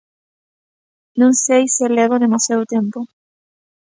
Non sei se levo demasiado tempo.